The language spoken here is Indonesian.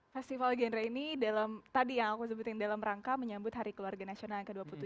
festival genre ini dalam tadi yang aku sebutin dalam rangka menyambut hari keluarga nasional yang ke dua puluh tujuh